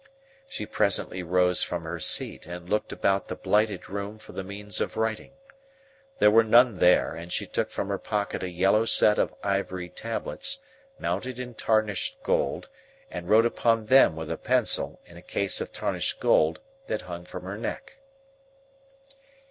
She presently rose from her seat, and looked about the blighted room for the means of writing. There were none there, and she took from her pocket a yellow set of ivory tablets, mounted in tarnished gold, and wrote upon them with a pencil in a case of tarnished gold that hung from her neck.